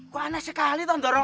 kau anak sekali tondoro